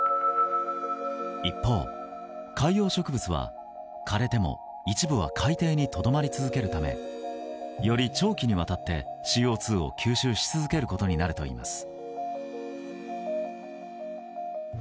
一方、海洋植物は枯れても一部は海底にとどまり続けるためより長期にわたってＣＯ２を吸収し続けることになるといいます。